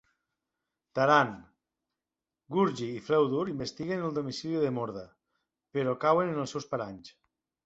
Taran, Gurgi i Fflewddur investiguen el domicili de Morda, però cauen en els seus paranys.